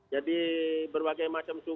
jadi berbagai macam